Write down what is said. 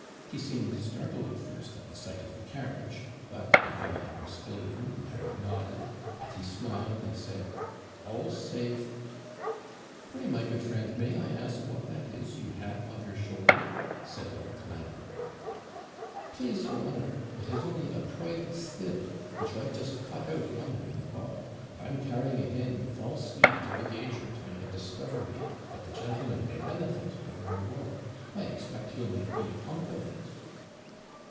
He seemed startled at first, at the sight of the carriage; but, looking at the postillion, Larry nodded, and he smiled and said 'All's safe!' 'Pray, my good friend, may I ask what that is you have on your shoulder?' said Lord Colambre. PLASE your honour, it is only a private still, which I've just caught out yonder in the bog; and I'm carrying it in with all speed to the gauger, to make a discovery, that the JANTLEMAN may benefit by the reward; I expect he'll make me a compliment.'